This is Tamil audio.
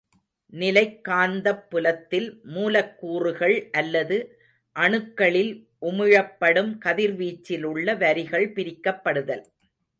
நிலைக் காந்தப்புலத்தில் மூலக்கூறுகள் அல்லது அணுக்களில் உமிழப்படும் கதிர்வீச்சிலுள்ள வரிகள் பிரிக்கப்படுதல்.